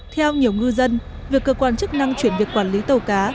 theo nhiều ngư dân việc cơ quan chức năng chuyển việc quản lý tàu cá